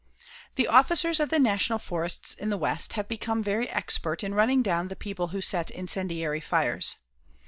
The officers of the National Forests in the West have become very expert in running down the people who set incendiary fires.